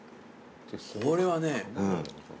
これはね